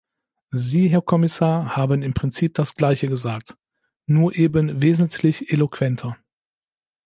Sie, Herr Kommissar, haben im Prinzip das gleiche gesagt, nur eben wesentlich eloquenter.